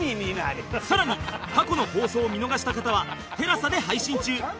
更に過去の放送を見逃した方はテラサで配信中